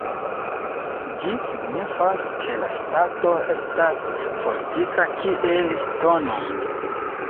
Ĝi signifas, ke la ŝtato estas fortika kiel ŝtono.